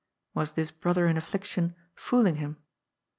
Was this brother in affliction fooling him